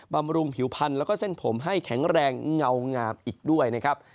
บำรุงผิวพันธ์แล้วก็เส้นผมให้แข็งแรงเงางามอีกด้วยนะครับ